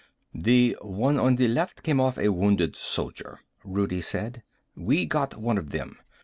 "The one on the left came off a Wounded Soldier," Rudi said. "We got one of them.